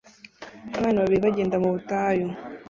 Abantu babiri bagenda mu butayu